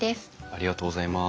ありがとうございます。